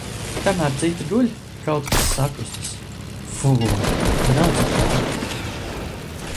Kamēr citi guļ. Kaut kas sakustas! Fū... Drauds ir tālu.